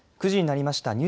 ９時になりました。